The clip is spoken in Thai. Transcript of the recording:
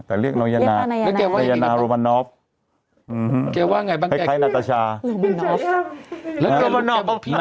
แต่เรียกน้องนยาณาน้องนยาณา